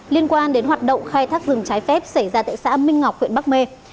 liên quan đến hoạt động khai thác rừng trái phép xảy ra tại xã minh ngọc huyện bắc mê